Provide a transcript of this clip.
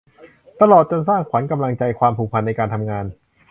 ตลอดจนสร้างขวัญกำลังใจ ความผูกพันในการทำงาน